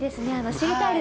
知りたいッ！